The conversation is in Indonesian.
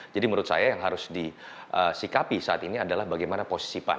jadi menurut saya yang harus disikapi saat ini adalah bagaimana posisi pan